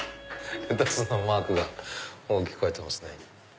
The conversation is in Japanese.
レタスのマークが大きく描いてますね。